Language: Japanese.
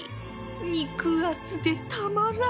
肉厚でたまらん！